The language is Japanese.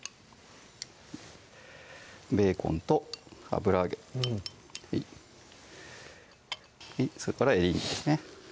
ベーコンと油揚げうんそれからエリンギですね